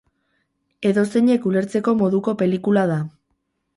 Edozeinek ulertzeko moduko pelikula da.